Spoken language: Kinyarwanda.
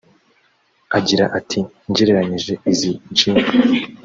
Agira ati “Ngereranyije izi Gin